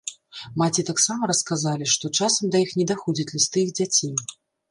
Маці таксама расказалі, што часам да іх не даходзяць лісты іх дзяцей.